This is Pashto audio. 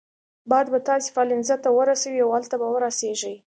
باد به تاسي پالنزا ته ورسوي او هلته به ورسیږئ.